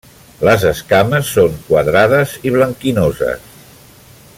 Les escames són quadrades i blanquinoses.